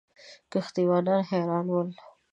کښتۍ وانان حیران ول.